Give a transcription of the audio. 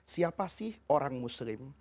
siapa sih orang muslim